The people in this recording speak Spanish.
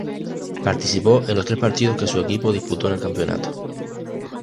Participó en los tres partidos que su equipo disputó en el campeonato.